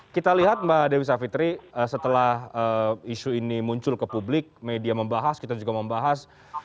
kita lihat mbak dewi savitri setelah isu ini muncul ke publik media membahas kita juga membahas